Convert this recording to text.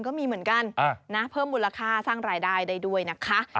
ก็มีเหมือนกันนะเพิ่มมูลค่าสร้างรายได้ได้ด้วยนะคะ